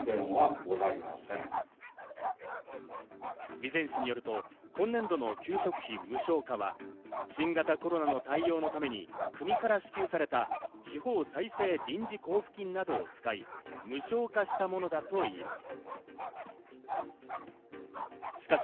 備前市によると、今年度の給食費無償化は、新型コロナの対応のために国から支給された地方創生臨時交付金などを使い、無償化したものだといいます。